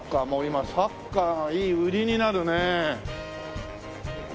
もう今サッカーがいい売りになるね。